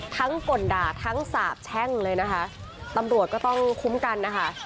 ก่นด่าทั้งสาบแช่งเลยนะคะตำรวจก็ต้องคุ้มกันนะคะ